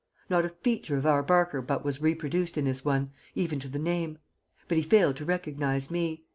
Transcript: Not a feature of our Barker but was reproduced in this one, even to the name. But he failed to recognize me.